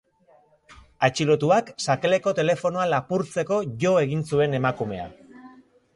Atxilotuak sakelako telefonoa lapurtzeko jo egin zuen emakumea.